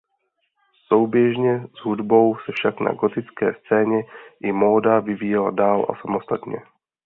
Souběžně s hudbou se však na gotické scéně i móda vyvíjela dál a samostatně.